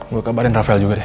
gue kabarin rafael juga deh